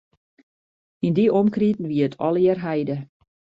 Yn dy omkriten wie it allegear heide.